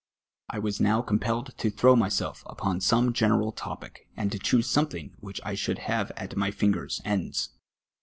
I was now compelled to throw myself upon some general topic, and to choose something which I shoidd have at my fingers' ends.